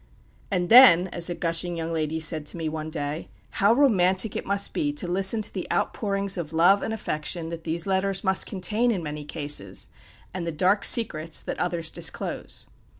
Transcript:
"And then," as a gushing young lady said to me one day, "how romantic it must be to listen to the outpourings of love and affection that these letters must contain in many cases, and the dark secrets that others disclose."